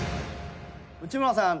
内村さん。